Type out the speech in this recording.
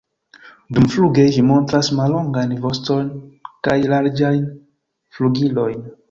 Dumfluge ĝi montras mallongajn voston kaj larĝajn flugilojn.